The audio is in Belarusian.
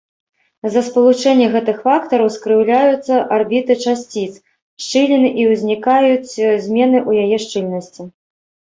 З-за спалучэння гэтых фактараў скрыўляюцца арбіты часціц шчыліны і ўзнікаюць змены ў яе шчыльнасці.